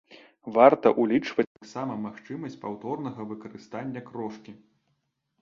Варта ўлічваць таксама магчымасць паўторнага выкарыстання крошкі.